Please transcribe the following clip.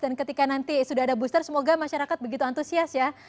oke sudah ada booster semoga masyarakat begitu antusias ya